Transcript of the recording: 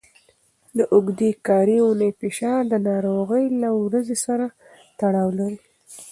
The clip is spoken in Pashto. د اوږدې کاري اونۍ فشار د ناروغۍ له ورځې سره تړاو لري.